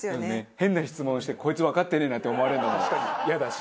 変な質問してこいつわかってねえなって思われるのもイヤだし。